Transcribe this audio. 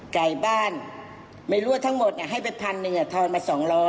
ไก่บ้านไม่รู้ว่าทั้งหมดให้ไปพันหนึ่งทอนมา๒๐๐